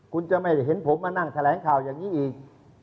คุณจะไม่ได้เห็นผมมานั่งแถลงข่าวอย่างนี้อีก